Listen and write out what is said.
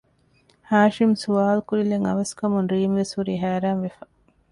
ހާޝިމް ސްވާލުކުރިލެއް އަވަސް ކަމުން ރީމްވެސް ހުރީ ހައިރާންވެފަ